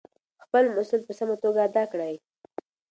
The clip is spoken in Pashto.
خپل مسؤلیت په سمه توګه ادا کړئ.